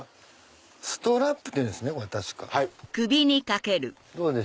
ストラップっていうんですね